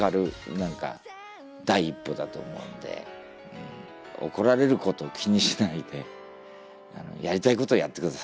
何か第一歩だと思うんで怒られることを気にしないでやりたいことをやって下さい。